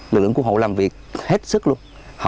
lực lượng cứu hộ làm việc hết sức luôn